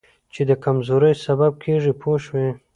چې د کمزورۍ سبب کېږي پوه شوې!.